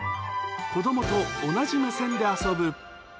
子どもと同じ目線で遊ぶ。